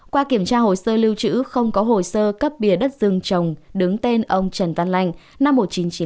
qua kiểm tra hồ sơ lưu trữ không có hồ sơ cấp bìa đất rừng trồng đứng tên ông trần văn lành năm một nghìn chín trăm chín mươi